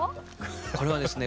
これはですね